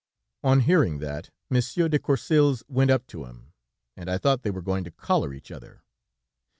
"On hearing that, Monsieur de Courcils went up to him, and I thought they were going to collar each other.